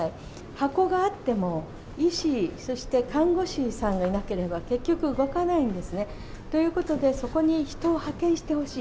箱があっても、医師、そして看護師さんがいなければ結局動かないんですね。ということで、そこに人を派遣してほしい。